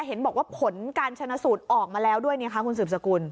เห็นบอกว่าผลการชนะสูตรออกมาแล้วด้วยนะคะคุณสืบสกุล